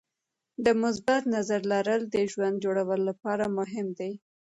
د مثبت نظر لرل د ژوند جوړولو لپاره مهم دي.